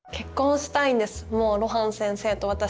もう露伴先生と私。